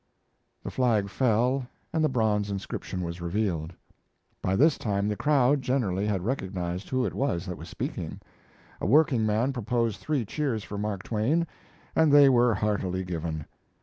The flag fell and the bronze inscription was revealed. By this time the crowd, generally, had recognized who it was that was speaking. A working man proposed three cheers for Mark Twain, and they were heartily given.